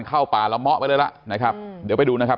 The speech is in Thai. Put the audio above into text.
เข้าป่าละเมาะไปเลยล่ะนะครับเดี๋ยวไปดูนะครับ